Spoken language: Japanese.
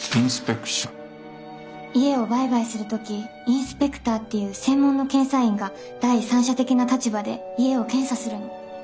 家を売買する時インスペクターっていう専門の検査員が第三者的な立場で家を検査するの。